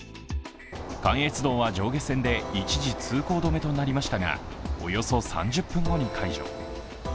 関越道は上下線で一時、通行止めとなりましたが、およそ３０分後に解除。